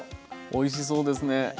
おいしそうですね。